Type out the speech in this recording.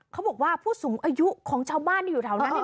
เขาบอกว่าผู้สูงอายุของชาวบ้านอยู่ทางนั้น